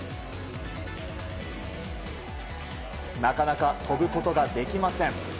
なかなか飛ぶことができません。